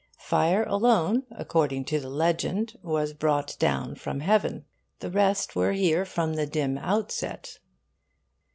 Fire alone, according to the legend, was brought down from Heaven: the rest were here from the dim outset.